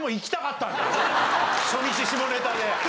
初日下ネタで。